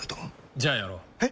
じゃあやろう。え？